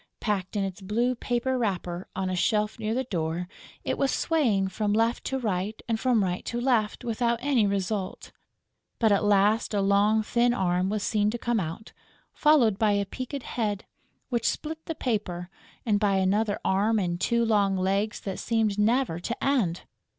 Packed in its blue paper wrapper, on a shelf near the door, it was swaying from left to right and from right to left without any result. But at last a long thin arm was seen to come out, followed by a peaked head, which split the paper, and by another arm and two long legs that seemed never to end!...